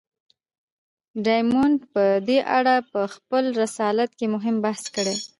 ډایمونډ په دې اړه په خپله رساله کې مهم بحث کړی دی.